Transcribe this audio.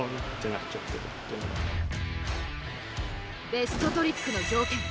ベストトリックの条件